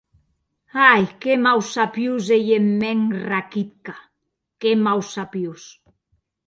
Ai, qué mausapiós ei eth mèn Rakitka, qué mausapiós!